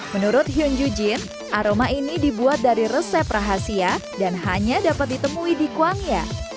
menurut hyun juan aroma ini dibuat dari resep rahasia dan hanya dapat ditemui di kuangnya